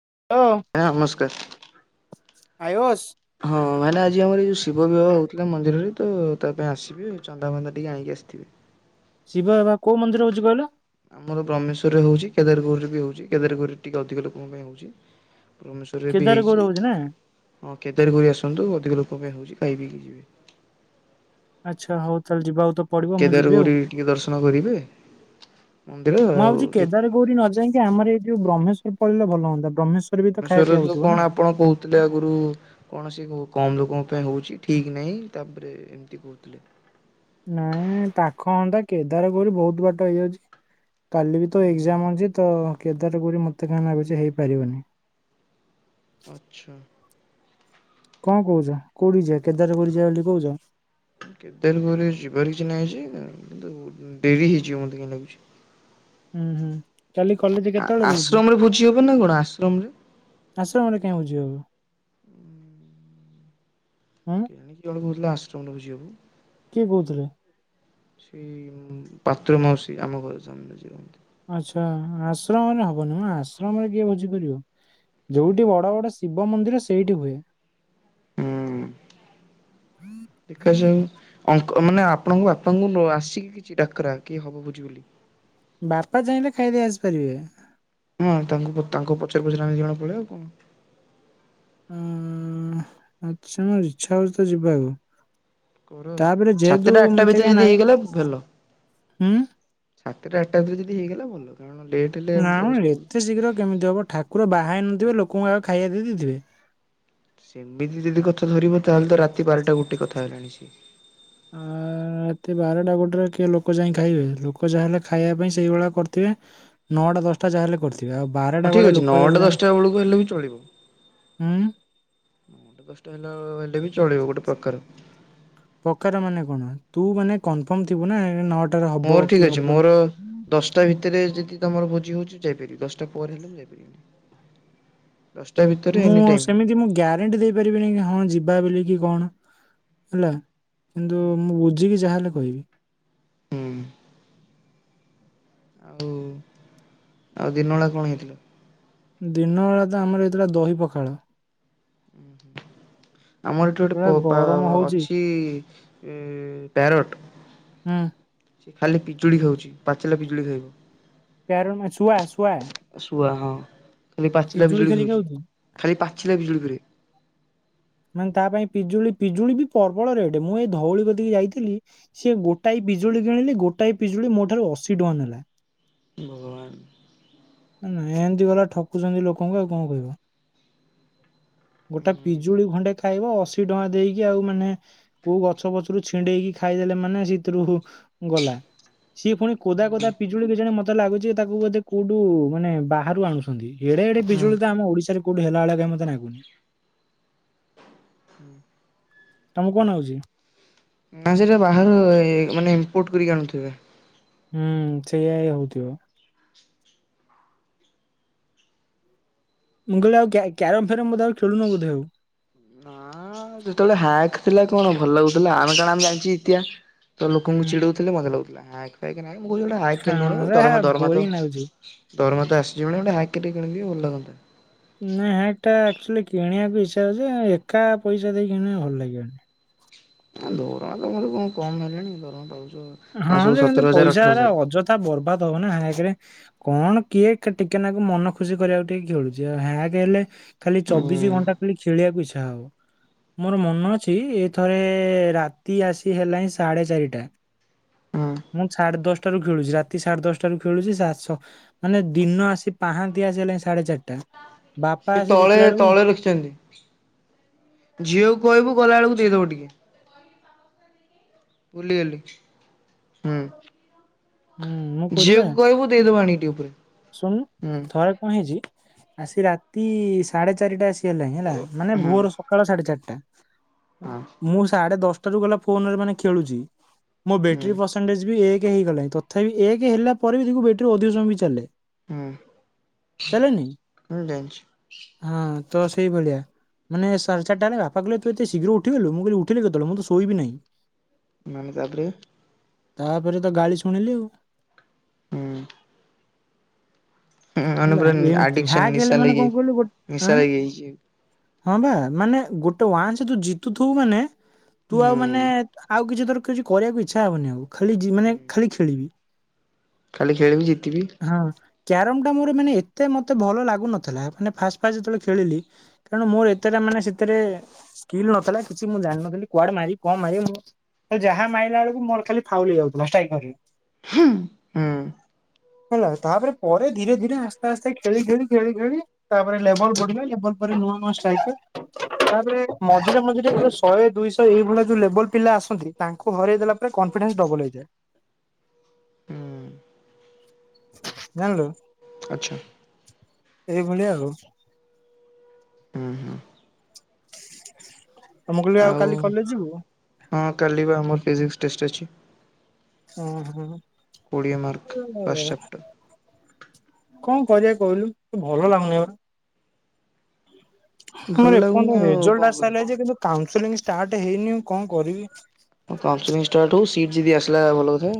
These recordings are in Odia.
ନମସ୍କାର। ଆୟୋସ୍ ହଁ ଭାଇନା ଆଜି ଆମର ଏଇ ଯୋଉ ଶିବ ବିବାହ ହଉଥିଲା ମନ୍ଦିରରେ ତ ତା ପାଇଁ ଆସିବେ ଚନ୍ଦା ଫାନ୍ଦା ଟିକେ ଆଣିକି ଆସିଥିବେ। ଶିବ ବାବା କୋଉ ମନ୍ଦିର ହଉଚି କହିଲ? ଆମର ବ୍ରହ୍ମେଶ୍ୱରୀରେ ହଉଚି, କେଦାରଗୌରୀ ରେ ବି ହଉଚି, କେଦାରଗୌରୀ ରେ ଟିକେ ଅଧିକ ଲୋକଙ୍କ ପାଇଁ ହଉଚି। ବ୍ରହ୍ମେଶ୍ୱରୀରେ ବି କେଦାର ଗୌର ହେଇଚି, ହଉଛି ନା ହଁ କେଦାରଗୌରୀ ଆସନ୍ତୁ ଅଧିକ ଲୋ ତୋ ପାଇଁ ହଉଚି ଖାଇ ପିଇକି ଯିବେ। ଆଚ୍ଛା ହଉ ତାହେଲେ ଯିବା ଆଉ ତ ପଡିବ ମୁଁ ଯିବି ଆଉ, କେଦାରଗୌରି ଟିକେ ଦର୍ଶନ କରିବେ ମନ୍ଦିର ମୁଁ ଆଉ ଭାବୁଚି କେଦାରଗୌରୀ ନ ଯାଇକି ଆମର ଏ ଯୋଉ ବ୍ରହ୍ମେଶ ସେଠି ପଳେଇଲେ ଭଲ ହଅନ୍ତା ବି। ତ [inaudible] ଶ୍ୱରୀ ଖାଇବା ରେ ପିଇବା ତ ହଉଥିବ ନା। କଣ ଆପଣ କହୁଥିଲେ ଆଗରୁ କୌଣସି କ-କମ ଲୋକ ତେ ହଉଛି ଠିକ ନାହିଁ ତାପରେ ଏମିତି କହୁଥିଲେ। କେଦାରଗୌରୀ ବହୁତ ବାଟ ହେଇଯାଉଛି। କାଲି ବି ତ ଏକ୍ଜାମ ଅଛି ତ କେଦାରଗୌରୀ ମୋତେ କାହିଁ ନାଗୁଚି ହେଇପାରିବନି। ଆଚ୍ଛା। କଣ କହୁଚ, କୋଉଠି ଯିବା, କେଦାରଗୌରୀ ଯିବା ବୋଲି କହୁଚ? କେଦାରଗୌରୀ ଯିବାର କିଛି ନାହିଁ ଯେ କିନ୍ତୁ ଡେରି ହେଇଯିବ ମୋତେ କାହିଁ ଲାଗୁଛି। ଉଁ, ହୁଁ । କାଲି କଲେଜ୍ ଆ କେତେବେଳେ ରହୁଚି, ଆଶ୍ରମରେ ଭୋଜି ହବ ନା କଣ ଆଶ୍ରମରେ ଆଶ୍ରମ ଆଡେ କାହିଁ ଯିବା କୁ। ହୁଁ କେଜାଣି କିଏ [unintelligible] ଆଶ ଯାଉନୁ ବୁଝିବାକୁ। କିଏ କହୁଥୁଲା? ସେଇ ଉଁ, ପାତ୍ର ମାଉସୀ ଆମ ଘର ସାମ୍ନା ରେ ଯିଏ ରୁହନ୍ତି। ଆଚ୍ଛା ଆଶ୍ରମରେ ହବନି ନା, ଆଶ୍ରମରେ କିଏ ବୋଝି କରିବ। ସେଇ ଯୋଉଠି ବଡ ବଡ ଶିବ ମନ୍ଦିର ସେଇଠି ହୁଏ। ହୁଁ ଦେଖାଯାଉ। ଅ ମାନେ ଆପଣଙ୍କ ବାପାଙ୍କୁ ଆସିକି କିଛି ଡାକରା କି ହବ ଭୋଜୀ ବୋଲି? ବାପା ଚାହିଁଲେ ଖାଇଦେଇ ଆସି ପାରିବେ। ହଁ ତାଙ୍କୁ ତାଙ୍କୁ ପଚାରି ପଚାରି ଆମେ ଦିଇ ଜଣ ପଳେଇବା ଆଉ କଣ। ଉଁ ଆଚ୍ଛା ଇଚ୍ଛା ହୋଉଚି ତ ଯିବାକୁ। କର ତାପରେ ଯେହେତୁ ସାତଟା ଆଠଟା ମତେ ଭିତରେ କାଇଁ ନା ଯଦି ହେଇଗଲା ଭଲ। ହୁଁ। ସାତଟା ଆଠଟା ଭିତରେ ଯଦି ହେଇଗଲା ଭଲ। କାରଣ ଲେଟ୍ ହେଲେ ନା ମୋର ସ୍କୁଲ ଏତେ ଶୀଘ୍ର କେମିତି ହବ ଠାକୁର ବାହା ନଥିବେ ଲୋକ କଣ ଆଉ ଖାଇବା ଦେଇ ଦେଇଥିବେ? ସେମିତି ଯଦି କଥା ଧରିବ ତାହେଲେ ତ ରାତି ବାରଟା ଗୋଟେ କଥା ହେଲାଣି ସି ଆ ରାତି ବାରଟା ଗୋଟେ କିଏ ଲୋକ ଯାଇଁକି ଖାଇବେ ଲୋକ ଯାହା ହେଲେ ଖାଇବା ପାଇଁ ସେଇଭଳିଆ କରିଥିବେ ନଅଟା ଦଶଟା ଯାହାହେଲେ କରି ହଁ ଠିକ ଅଛି ନଅଟା ଦଶଟା ବେଳକୁ ହେଲେ ବି ଚଳିବ ହୁଁ ନଅଟା ଦଶଟା ହେଲା ହେଲେ ବି ଚଳିବ ଗୋ ପ୍ରକାର ପ୍ରକାର ମାନେ କଣ ତୁ ମାନେ କନଫର୍ମ ଥିବୁନା ମୋର ଠିକ ଅଛି ମୋର ଦଶଟା ଭିତରେ ଯଦି ତମର ଭୋଜି ହୋଉଚି ଯାଇ ପାରିବି ଦଶଟା ପରେ ହେଲେ ଯାଇପାରିବିନି। ଦଶଟା ଭିତରେ ଏନି ମୁଁ ଟାଇମ୍ ସେମିତି ମୁଁ ଗ୍ୟାରେଣ୍ଟି ଦେଇ ପାରିବିନି ହଁ ଯିବା ବୋଲି କି କଣ। ହେଲା। କିନ୍ତୁ ମୁଁ ବୁଝିକି ଯାହା ହେ [unintelligible] ହୁଁ। ଆଉ ଆଉ ଦିନବେଳା କଣ ହେଇଥିଲ? ଦିନ ବେଳା ତ ଆମର ଏଇଥିଲା ଦହି ପଖାଳ। ଉଁ ହୁଁ ହୁଁ ଆମର ଏଠି ଗୋଟେ ଯୋଉଭଳିଆ ପୋ ପା ଗରମ ହଉଛି ଅଛି ପ୍ୟାରଟ ହୁଁ ସେ ଖାଲି ପିଜୁଳି ଖାଉଛି ପାଚିଲା ପିଜୁଳି ଖାଇବ। ପ୍ୟାରଟ ମାନେ ଶୁଆ ଶୁଆ। ଶୁଆ ହଁ। ଖାଲି ପାଚିଲା ପିଜୁଳି ଖେଳିକି ଖାଉଚି ଆଉଛି ଖାଲି ପାଚିଲା ପିଜୁଳି ଫେରେ ମାନେ ତା ପାଇଁ ପିଜୁଳି ପିଜୁଳି ବି ପ୍ରବଳ ରେଟ୍ ମୁଁ ଏଇ ଧଉଳି କତିକି ଯାଇଥିଲି ସିଏ ଗୋଟାଏ ପିଜୁଳି କିଣିଲି ଗୋଟାଏ ପିଜୁଳି ମୋ ଠାରୁ ଅଶୀ ଟଙ୍କା ନେଲା। ଭଗବାନ। ମାନେ ଏମିତି ଗଲା ଠକୁଚନ୍ତି ଲୋକଙ୍କୁ ଆଉ କଣ କହିବ ଗୋଟେ ହୁଁ ପିଜୁଳି ଖଣ୍ଡେ ଖାଇବ ଅଶୀ ଟଙ୍କା ଦେଇକି ଆଉ ମାନେ କୋଉ ଗଛ ପଛରୁ ଛିଣ୍ଡେଇକି ଖାଇଦେଲେ ମାନେ ସେଥିରୁ ଗଲା ସିଏ ପୁଣି କୋଦା କୋଦା ପିଜୁଳି କେଜାଣି ମତେ ଲାଗୁଛି ତାକୁ ବୋଧେ କୋଉ ଠୁ ମାନେ ବାହାରୁ ଆଣୁଚନ୍ତି ଏଡେ ଏଡେ ବିଜୁଳି ତ ଆମ ଓଡିଶାରେ କୋଉଠି ହେଲା ଭଳିଆ କାଇଁ ମତେ ଲାଗୁନି। ତମକୁ କଣ ନାଗୁଚି? ନା ସେଟା ବାହାର ମାନେ ଇନ୍ ପୋର୍ଟ କରି ଆଣୁଥିବେ। ହୁଁ ସେଇଆ ୟା ହୋଉଥିବ। ମୁଁ କହିଲି ଆଉ କ୍ୟା କ୍ୟାରମ ଫେରମ ବୋଧେ ଆଉ ଖେଳୁନ ବୋଧେ ଆଉ? ହଁ ଯେତେବେଳେ ହ୍ୟାକ୍ ଥିଲା କଣ ଭଲ ଲାଗୁଥିଲା ଆମେ କଣ ଆମେ ଜାଣିଚି ଇତି ତ ହୁଁ ଲୋକଙ୍କୁ ଚିଡଉଥିଲି ମଜା ଲାଗୁ ହାକ୍ ଫାକ୍ ନାଇଁ ମୁଁ କହୁଛି ଗୋଟେ ହାକ୍ କେନର ହଁ ହୋ ସେ ଦରମା ଦରମା ତ ବୋରିଂ ଲାଗୁଛି। ଦରମା ତ ଆସି ଜିବଣି ଗୋଟେ ହା କେ କରି କିଣିବି ଭଲ ଲାଗନ୍ତା। ନା ହେଟା ଆକ୍ଚୁଆଲି କିଣିବାକୁ ଇଚ୍ଛା ହେଉଛି ଯେ ଏକା ପଇସା ଦେଇକି କିଣିବ ଭଲ ଲାଗିବନି। ଦରମା ତ ମର କଣ କମ ହେଲାଣି ଦରମା ହଉ। ହଁ ଯେ ପଇସା ଗୁଡା ଅଯଥା ବର୍ବାଦ ହବନା ହାକ୍ ରେ କଣ କିଏ କେ ଟିକେ ନାକୁ ମନ ଖୁସି କରିବାକୁ ଟିକେ ଖେଳୁଛି ଆଉ ହ୍ୟାକ୍ ହେଲେ ଖାଲି ହୁଁ ଚବିଶି ଘଣ୍ଟା ଖାଲି ଖେଳିବାକୁ ଇଚ୍ଛା ହବ ମୋର ମନ ଅଛି ଏ ଥରେ ରାତି ଆସି ହେଲାଣିିଁ ସାଢେ ଚାରିଟା ମୁଁ ସାଢ଼େ ଦଶ ଟାରୁ ଖେଳୁଛି ରାତି ସାଢେ ଦଶଟାରୁ ଖେଳୁଛି ସାତଶହ ମାନେ ଦିନ ଆସି ପାହାନ୍ତି ଆସି ହେଲାଣି ସାଢେ ଚାରିଟା। ବାପା ସେ ଆସି ତଳେ ଦେଖିଲା ବେଳକୁ ହୁଁ ତଳେ ରଖିଛନ୍ତି ଝିଅକୁ କହିବୁ ଗଲା ବେଳକୁ ଦେଇ ଦବ ଟିକେ ଭୁଲି ଗଲି ହୁଁ। ହୁଁ ମୁଁ କହୁଛି ପା ଝିଅକୁ କହିବୁ ଦେଇଦବ ଆଣିକି ଟିକେ ଉପରେ ଶୁଣୁନୁ ହୁଁ। ଥରେ କଣ ହେଇଛି ଆସି ରାତି ସାଢେ ଚାରିଟା ଆସି ହେଲାଣି ହେଲା ମାନେ ଭୋର ହଁ ସକାଳ ସାଢେ ଚାରିଟା। ମୁଁ ସାଢେ ଦଶ ଗଲା ଫୋନରେ ମାନେ ଖେଳୁଛି। ମୋ ହୁଁ ବେଟରୀ ପରସେନଟେଜ ବି ଏକ ହେଇଗଲାଣି ତ ତଥାପି ଏକ ହେଲା ପରେ ବି ଦେଖିବୁ ବେଟରୀ ଅଧିକ ସମୟ ବି ଚାଲେ। ଚାଲେନି? ହୁଁ ଜାଣିଛି। ହଁ ତ ସେଇଭଳିଆ ମାନେ ସାଢେ ଚାରିଟା ବେଳେ ବାପା କହେ ତୁ ଏତେ ଶୀଘ୍ର ଉଠିଗଲୁ ମୁଁ କହିଲି ଉଠିଲି କେତେବେଳେ ମୁଁ ତ ଶୋଇବି ନାହିଁ। ମାନେ ତାପରେ ତାପରେ ତ ଗାଳି ଶୁ ଶୁଣିଲି ଆଉ ହୁଁ ହେଲା ଅନୁ୍ପରା ଏମିତି ଆଡିକ୍ସନ ହ୍ୟାକ୍ ହେଲେ ନିଶା ମାନେ ଲାଗି କଣ କହିଲୁ ଗୋ ଆଁ ନିଶା ଲାଗିଯାଇଛି ଆଉ। ହଁ ବା ମାନେ ଗୋଟେ ୱାନ୍ସ ତୁ ଜିତୁଥୁବୁ ମାନେ ତୁ ଆଉ ହୁଁ ମାନେ ଆଉ କିଛି ଧର କିଛି କରିବାକୁ ଇଚ୍ଛା ହବନି ଆଉ। ଖାଲି ଜି ମାନେ ଖାଲି ଖେଳିବି। ଖାଲି ଖେଳିବି ଜିତିବି। କ୍ୟାରମଟା ମୋର ମାନେ ଏତେ ମତେ ଭଲ ଲାଗୁନଥିଲା ମାନେ ଫାଷ୍ଟ ଫାଷ୍ଟ ଯେତେବେଳେ ଖେଳିଲି କାରଣ ମୋର ଏତେଟା ମାନେ ସେଥିରେ ସ୍କିଲ ନଥିଲା କିଛି ମୁଁ ଜାଣିନଥିଲି କୁଆଡେ ମାରି କଣ ମାରିବି ମୁଁ ଯାହା ମାରିଲା ବେଳକୁ ମୋର ଖାଲି ଫାଉଲ୍ ହେଇଯାଉଥିଲା ଷ୍ଟ୍ରାଇକରରେ ହୁଁ ହୁଁ। ହେଲା ତାପରେ ପରେ ଧୀରେ ଧୀରେ ଆସ୍ତେ ଆସ୍ତେ ଖେଳି ଖେଳି ଖେଳି ଖେଳି ତାପରେ ଲେବଲ ବଢିବ ଲେବଲ ପରେ ନୂଆ ନୂଆ ଷ୍ଟ୍ରାଇକର ତାପରେ ମଝିରେ ମଝିରେ ଯୋ ଶହେ ଦୁଇ ଶହ ଏଇଭଳିଆ ଯୋଉ ଲେବଲ ପିଲା ଆସନ୍ତି ତାଙ୍କୁ ହରାଇ ଦେଲା ପରେ କନଫିଡେନ୍ସ ଡବଲ ହେଇଯାଏ। ହୁଁ ଜାଣିଲୁ। ଆଚ୍ଛା ଏଇଭଳିଆ ଆଉ ହୁଁ ହୁଁ ତ ମୁଁ କହିଲି ଆଉ କାଲି କଲେଜ ଯିବୁ? ହଁ କାଲି ବା ଆମର ଫିଜିକ୍ସ ଟେଷ୍ଟ ଅଛି। ଓୁଁ ହୁଁ, କୋଡ଼ିଏ ମାର୍କ୍ ଫାଷ୍ଟଚାପ୍ଟର। କଣ କରିବା କହିଲୁ ତୁ ଭଲ ଲାଗୁନି ବା ଭଲ ଆମର ଲାଗୁନି ଏପର୍ଯ୍ୟନ୍ତ ଆଉ କଣ ରେଜଲ୍ଟ ଆସି ସାଇଲା କରିବି ଯେ କିନ୍ତୁ କାଉଁ ସେଲିଙ୍ଗ ଷ୍ଟାର୍ଟ ହେଇନି କଣ କରିବି? କାଉନ ସେଲିଙ୍ଗ ଷ୍ଟାର୍ଟ ହଉ ସିଟ ଯିଦି ଆସିଲା ଭଲ କଥା।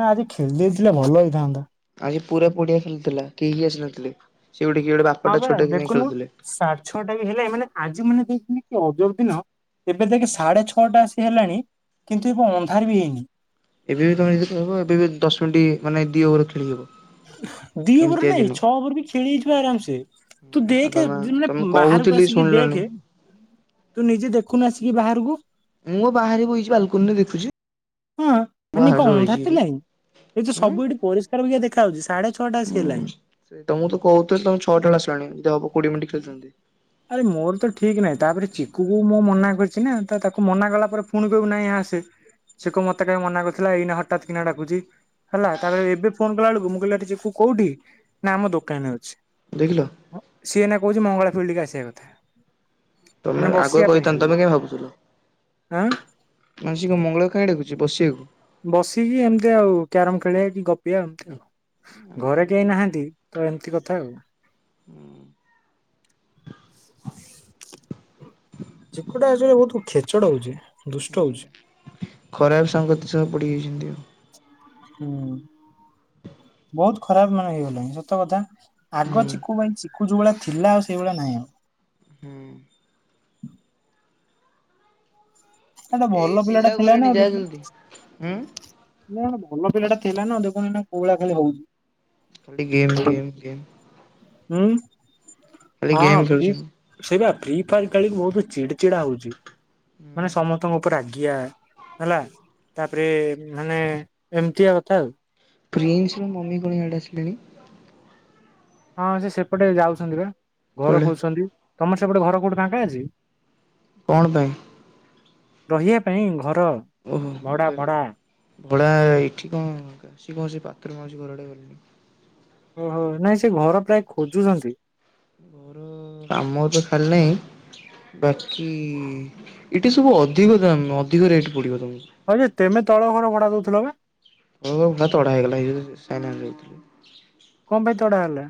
ନା ଆଜି ଖେଳିଦେଇଥିଲେ ଭଲ ହେଇଥାନ୍ତା। ଆଜି ପୁରା ପଡିଆ ଖାଲି ଥିଲା କେହି ଆସିନଥିଲେ। ସେ ଗୋଟେ କିଏ ଗୋଟେ ହଁ ବାପାଟା ପା ଛୁଆଟେ ଯାଇ ଦେଖୁନୁ ଖେଳୁଥିଲେ ସାଢେ ଛଅଟା ବି ହେଲେ ମାନେ ଆଜି ମାନେ ଦେ କି ଅଜବ ଦିନ ଏବେ ଦେଖ ସାଢେ ଛଅଟା ଆସି ହେଲାଣି କିନ୍ତୁ ଏବେ ଅନ୍ଧାର ବି ହେଇନି। ଏବେ ବି ତମେ ଯଦି କହିବ ଏବେ ବି ଦଶ ମିନିଟ୍ ମାନେ ଦି ଓଭର ଖେଳି ହବ। ଦି ଓଭର ନାଇଁ ଛଅ ଓଭର ବି ଖେଳି ହେଇଯିବ ଆରାମସେ ତୁ ଆଉ ଦେଖେ ତମେ ଯ ମାନେ ତମେ ବାହାରକୁ କହୁଥିଲି ଆସିକି ଶୁଣିଲନି ଦେଖେ ତୁ ନିଜେ ଦେଖୁନୁ ଆସିକି ବାହାରକୁ। ମୁଁ ବାହାରେ ବଇଚି ବାଲକୁନିରେ ଦେଖୁଛି। ହଁ ମାନେ ଏ ବାହାରେ କଣ ବଇଚି ଅନ୍ଧାର ଏଠି ଥିଲା କି ଏଇ ତ ଉଁ ସବୁ ଏଠି ପରିଷ୍କାର ବାଗିଆ ଦେ ଖା ଯାଉଛି ସାଢେ ଛଅଟା ଆସି ହୁଁ ହେଲାଣି। ସେ ତମକୁ ତ କହୁଥିଲି ତମେ ଛଅଟା ବେଳ ଆସିଲାଣି ଯଦି ହବ କୋଡିଏ ମିନିଟ ଆରେ ମୋର ଖେଳିଥାନ୍ତି। କରିଚି ନା ତ ତାକୁ ମନା କଲା ପରେ ପୁଣି କହିବୁ ନାଇଁ ଆସେ ସେ କହିବ ମତେ କାହିଁ ମନା କରିଥିଲା ଏଇନା ହଠାତ କିନା ଡାକୁଛି ହେଲା ତାପରେ ଏବେ ଫୋନ କଲା ବେଳକୁ ମୁଁ କହିଲି ଆରେ ଚିକୁ କୋଉଠି ନା ଆମ ଦୋକାନରେ ଅଛି। ଦେଖିଲ। ହଁ ସିଏ ଏଇନା କହୁ ମଙ୍ଗଳା ଫିଲ୍ଡ କି ଆସିଆ କଥା। ତମେ ମାନେ ଆଗୁଆ ବସିବା ପାଇଁ ଖାଲି। କହିଥାନ୍ତ ତମେ କାଇଁ ଭାବୁଥିଲ ଆଁ ମାନେ ସେ କଣ ମଙ୍ଗଳା କୁ କାଇଁ ଡାକୁ ଛି ବସିଆକୁ? ବସିକି ଏମିତି ଆଉ କ୍ୟାରମ ଖେଳିଆ କି ଗପିଆ ଏମତି ଆଉ। ଘରେ କେହି ନାହାନ୍ତି ତ ଏମିତି କଥା ଆଉ। ଝୁକୁଟା ଆ ଯୋଉ ବହୁତ ଖେଚଡ ହଉଛି। ଦୁଷ୍ଟ ହଉଛି। ହୁଁ ଖରାପ ସଙ୍ଗତି ସହ ପଡ଼ି ଯାଇଛନ୍ତି ଆଉ। ହୁଁ ବହୁତ ଖରାପ ମାନେ ହେଇଗଲାଣି ସତ କଥା ଆଗ ହୁଁ ଚିକୁ ପାଇଁ ଚି କୁ ଯୋଉ ଭଳିଆ ଥିଲା ଆଉ ସେଇ ଭଳିଆ ନାହିଁ ଆଉ। ହୁଁ। ଏଇ ସେଟାଭଲ ପିଲାଟା ପିଲା ଥିଲା ଗଲେଣି ନା ଯା ଦେଖୁନ ଜଲ୍ଦି। ହୁଁ କଣ ଭଲ ପିଲାଟା ଥିଲା ନା ଦେଖୁନ ଏଇନା କୋଉ ଭଳିଆ ଖାଲି ହଉ [inaudible] ଗେମ ଗେମ ଗେମ ହୁଁ। ଖାଲି ହଁ ଗେମ୍ ସି ଖେଳୁଛନ୍ତି। ସେଇ ବା ପ୍ରିଫର ଖେଳିକି ବହୁତ ଚିଡି ଚିଡା ହଉଛି ମାନେ ସମସ୍ତଙ୍କ ଉପରେ ରାଗ ଗିଆ ହେଲା ତାପରେ ମାନେ ଏମତିଆ କଥା ଆଉ। ପ୍ରିନ୍ସର ମମି କଣ ଇଆଡେ ଆସିଲେଣି। ହଁ ସେ ସେପଟେ ଯାଉଛନ୍ତି ବା। ଘର କୁଆଡ଼େ ଖୋଜୁଛନ୍ତି। ତମର ସେପଟେ ଘର କୋଉଠି ଫାଙ୍କା ଅଛି? କଣ ପାଇଁ? ରହିଆ ପାଇଁ। ଘର ଭଡ଼ା ଭଡ଼ା ଭଡା ଏଇଠି କଣ ସିଏ କଣ ସେ ପାତ୍ର ମାଉସୀ ଘର ଆଡେ ଗଲେ ଓହୋ ନାଇଁ ସେ ଘର ପ୍ରାୟ ଖୋଜୁଛନ୍ତି ଘର ଆମର ତ ଖାଲିନାହିଁ। ବାକି ଏଇଠି ସବୁ ଅଧିକ ଦାମ ଅଧିକ ରେଟ ପଡିବ ତମକୁ। ହଉ ଯେ ତେମେ ତଳ ଘର ଭଡ଼ା ଦଉ ଲଗା ହ ଭ ତଡା ହେଇଗଲା ସେଇଟା ନୁହଁ କି? କଣ ପାଇଁ ତ ତଡ଼ା ହେଲା।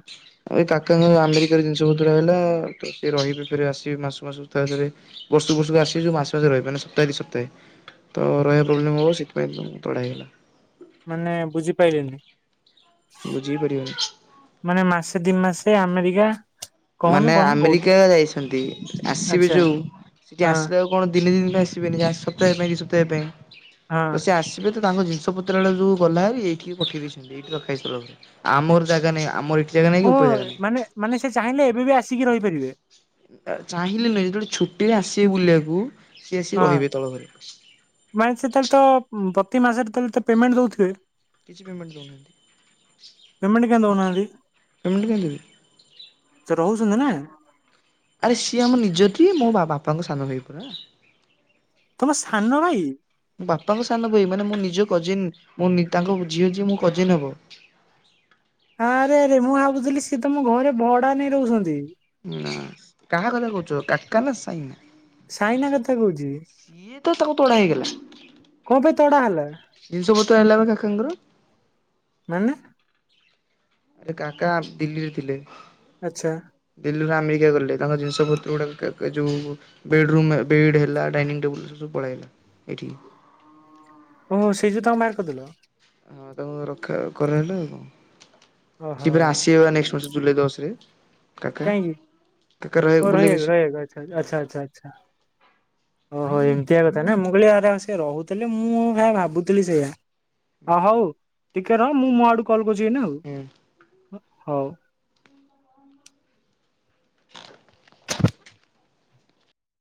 ଆଉ ଏଇ କାକାଙ୍କ ଆମେରିକାରେ ଜିନିଷପତ୍ର ରହିଲା ତ ସିଏ ରହିବେ ଫେରେ ଆସିବେ ମାସ ମାସୁ ଥରେ ଥରେ ବର୍ଷକୁ ବର୍ଷକୁ ଆସିିବୁ ମାସେ ମାସେ ରହିବେ ନା ସପ୍ତାହେ ଦି ସପ୍ତାହେ ତ ରହିବା ପ୍ରୋବ୍ଲେମ ହବ ସେଥିପାଇଁ ତଡ଼ା ହେଇଗଲା। ମାନେ ବୁଝିପାରଲିନି। ବୁଝି ପାରିବନି। ମାନେ ମାସେ ଦି ମାସେ। ସେ ଆମେରିକା। କହୁନୁ ମାନେ କଣ କହୁଛୁ ଆମେରିକା ଯାଇଛନ୍ତି ଆସିବେ ଆଚ୍ଛା ଯୋଉ ସେଠି ହଁ ଆସିଲା ବେଳକୁ ଦିନେ ଦି ଦିନ। ଆସିବେନି ଯାହା, ସପ୍ତାହେ ପାଇଁ ଦି ସପ୍ତାହେ ପାଇଁ। ହଁ। ତ ସେ ଆସିବେ। ତାଙ୍କ ଜିନିଷ ପତ୍ର ଗୁଡ଼ା ଯୋଉ ଗଲା ଏଇଠିକି ପଠେଇ ଦେଇଛନ୍ତି ଏଇଠି ରଖାହେଇଚି ଆମର ଜାଗା ନାହିଁ ଆମର ଏଠି। ଜାଗା ନାହିଁ କି ଓ ଉପରେ ଜାଗା ନାହିଁ। ମାନେ ମାନେ ସେ ଚାହିଁଲେ। ଏବେ ବି ଆସିକି ରହିପାରିବେ। ଚାହିଁଲେ ନୁହେଁ ଯେତେବେଳେ ଛୁଟି ରେ ଆସି ତେ ବୁଲିବାକୁ। ସିଏ ଆସିକି ହଁ ରହିବେ ତଳ ଘରେ। ମାନେ ସେ ତାହାଲେ ତ ପ ପ୍ରତି ମାସରେ ତାହଲେ ତ ପେମେଣ୍ଟ ଦଉଥିବେ। କିଛି ପେମେଣ୍ଟ ପେମେଣ୍ଟ କାହିଁ ଦେଉନାହାନ୍ତି ଦଉନାହାନ୍ତି? ପେମେଣ୍ଟ କାଇଁ ଦେବେ? ସେ ରହୁଛନ୍ତି ନା ଆରେ ସିଏ ଆମ ନିଜର ଟି ମୋ ବାପାଙ୍କ ସାନ ଭାଇ ପରା। ତମ ସାନ ଭାଇ ବାପାଙ୍କ ସାନ ଭାଇ ମାନେ ମୋ ନିଜ କଜିିନ। ମୁଁ ମି ତାଙ୍କ ଝିଅ ଯିଏ ମୋ କଜିନ୍ ହେବ। ଆରେ ଆରେ ମୁଁ ଭାବୁଥିଲି ତମ ଘରେ ଭଡା ନେଇ ରହୁଛନ୍ତି? ନା କାହା କଥା କହୁଛ କାକା ନା ସାଇନା? ସାଇନା କଥା କହୁଛି। ସିଏ ତ ତାକୁ ତଡ଼ା ହେଇଗଲା। କଣ ପାଇଁ ତଡା ହେଲା ଜିନିଷ ପତ୍ର ଆଣିଲା ବା କାକାଙ୍କର। ମାନେ ଆରେ କାକା ଦିଲ୍ଲୀରେ ଥିଲେ। ଆଚ୍ଛା ଆମେରିକା ଗଲେ ତାଙ୍କ ଜିନିଷ ପତ୍ର ଗୁଡାକ ଯୋଉ ବେଡ ରୁମ୍ ବେଡ ହେଲା ଡାଇନିଙ୍ଗ ଟେବୁଲ କୁ ପଳେଇ ଆସିଲା ଏଇଠିକି। ଏ ଦେଲ। ହଁ ତାଙ୍କୁ ରଖା କରାଇଲେ ଆଉ କଣ? ଓହୋ ସିଏ ଫେର ଆସିବେ ବା ନେକ୍ସଟ୍ ବର୍ଷ। ଜୁଲାଇ ଦଶରେ କାକା କାଇଁ କାକା ରହ ତୋର ବୁଲିବାକୁ ହୋଇଗଲା ଆସିବେ ହୋଇଗଲା ଆଛା ଆଛା ଆଛା। ଓହୋ ଏମିତିଆ କଥା ନା ମୁଁ କହିଲି ଆରେସେ ରହୁଥିଲେ ମୁଁ କାଇଁ ଭାବୁଥିଲି ସେଇଆ। ଅ ହଉ। ହଁ ଟିକେ ରହ ମୁଁ ମୋ ଆଡୁ କଲ ବୁଝିବିନା ହୁଁ ଆଉ ହଉ।